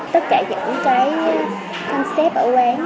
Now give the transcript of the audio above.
tất cả những cái concept ở quán